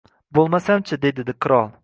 — Bo‘lmasam-chi, — dedi qirol.